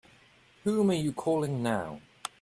Whom are you calling now?